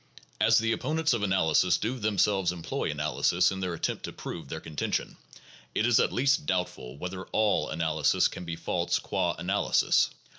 As the opponents of analysis do themselves employ analysis in their attempt to prove their contention, it is at least doubtful whether all analysis can be false qua analysis.